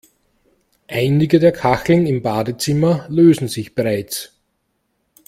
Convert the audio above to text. Einige der Kacheln im Badezimmer lösen sich bereits.